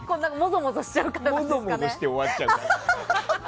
もぞもぞして終わっちゃうから。